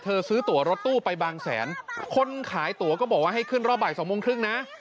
ซื้อตัวรถตู้ไปบางแสนคนขายตั๋วก็บอกว่าให้ขึ้นรอบบ่ายสองโมงครึ่งนะ